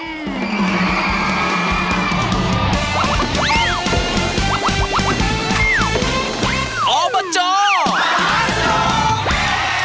โปรดติดตามตอนต่อไป